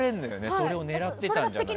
それ狙ってたんじゃないかって。